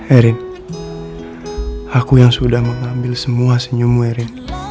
erin aku yang sudah mengambil semua senyummu erin